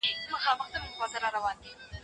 مور د ماشوم د روغتيا بنسټ ږدي.